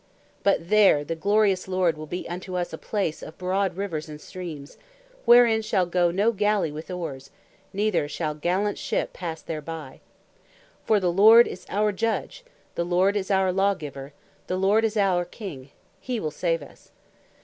But there the glorious Lord will be unto us a place of broad rivers, and streams; wherein shall goe no Gally with oares; neither shall gallant ship passe thereby. For the Lord is our Judge, the Lord is our Lawgiver, the Lord is our King, he will save us.